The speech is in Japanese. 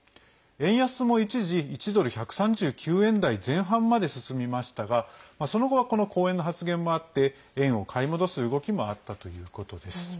円安も一時１３９ドル前半まで進みましたがその後は講演の発言もあって円を買い戻す動きもあったということです。